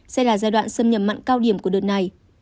xâm nhập mặn cao điểm của đợt này